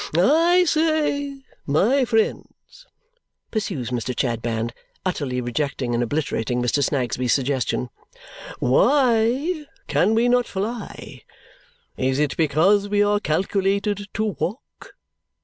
"I say, my friends," pursues Mr. Chadband, utterly rejecting and obliterating Mr. Snagsby's suggestion, "why can we not fly? Is it because we are calculated to walk?